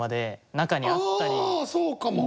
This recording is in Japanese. そうかも。